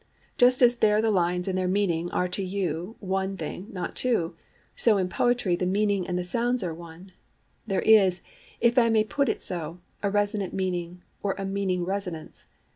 Just as there the lines and their meaning are to you one thing, not two, so in poetry the meaning and the sounds are one: there is, if I may put it so, a resonant meaning, or a meaning resonance.